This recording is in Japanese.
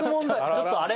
ちょっとあれ？